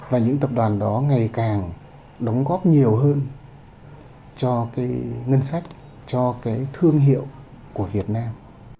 và những tập đoàn đó ngày càng đóng góp nhiều hơn cho cái ngân sách cho cái thương hiệu của việt nam